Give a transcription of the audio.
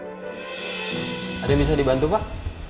ada yang bisa dibantu pak